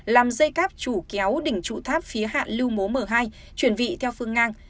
làm dây cáp chủ kéo đỉnh trụ tháp phía hạ lưu mố hai chuyển vị theo phương ngang